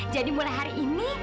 jadi mulai hari ini